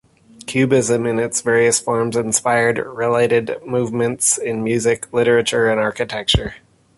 Cubism in its various forms inspired related movements in music, literature and architecture.